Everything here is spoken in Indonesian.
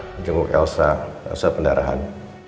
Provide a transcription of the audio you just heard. menjenguk elsa elsa pendarahan